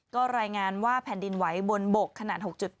ก็รายงานว่าแผ่นดินไหวบนบกขนาด๖๘